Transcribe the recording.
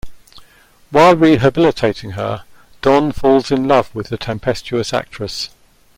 While rehabilitating her, Don falls in love with the tempestuous actress.